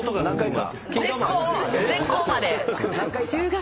今。